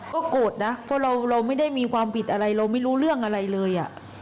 ก็โกรธนะเพราะเราไม่ได้มีความผิดอะไรเราไม่รู้เรื่องอะไรเลย